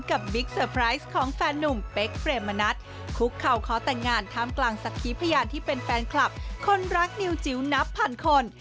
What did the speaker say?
บิ๊กเซอร์ไพรส์ของแฟนนุ่มเป๊กเปรมมะนัดคุกเข่าขอแต่งงานท่ามกลางสักขีพยานที่เป็นแฟนคลับคนรักนิวจิ๋วนับพันคน